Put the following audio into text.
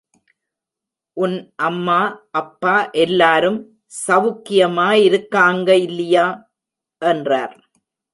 உன் அம்மா, அப்பா எல்லாரும் சவுக்கியமா இருக்காங்க இல்லியா? என்றார்.